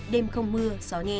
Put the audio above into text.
đêm không mưa gió nhẹ